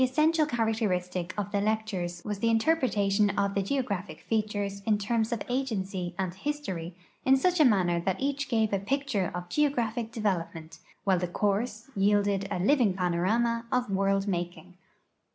ssential characteristic of the lectures was the interpretation of the geograj)hic features in terms of agency and history in such manner that each gave a picture of geographic develoi)ment, while the course }'ielded a living panorama of world making.